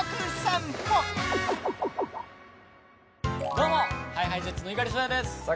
どうも！ＨｉＨｉＪｅｔｓの猪狩蒼弥です。